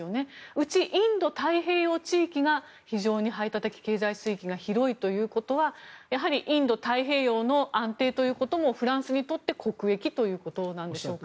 うち、インド太平洋地域が非常に排他的経済水域が広いということはやはりインド太平洋の安定ということもフランスにとって国益ということなんでしょうか。